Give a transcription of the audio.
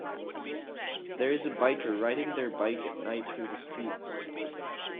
There is a biker riding their bike at night through the streets.